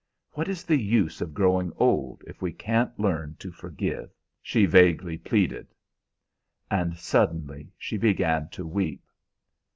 What is the use of growing old if we can't learn to forgive?" she vaguely pleaded; and suddenly she began to weep.